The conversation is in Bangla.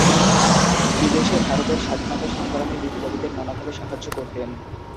বিদেশে ভারতের স্বাধীনতা সংগ্রামী বিপ্লবীদের নানাভাবে সাহায্য করতেন।